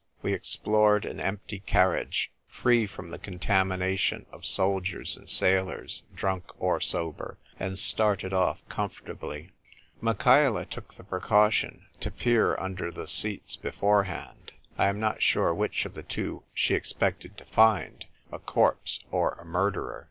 We ex plored an empty carriage, free from the con tamination of soldiers and sailors, drunk or sober, and started off comfortably. ICX) THE TYPE WRITER GIRL. Michaela took the precaution to peer under the seats beforehand. I am not sure which of the two she expected to find — a corpse or a murderer.